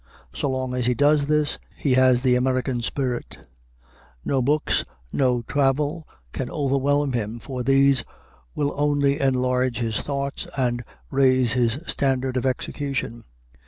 So long as he does this, he has the American spirit: no books, no travel, can overwhelm him, for these will only enlarge his thoughts and raise his standard of execution.